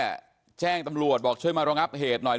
ตำรวจต้องไล่ตามกว่าจะรองรับเหตุได้